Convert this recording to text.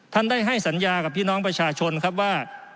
ท่านได้ให้สัญญากับพี่น้องประชาชนครับว่า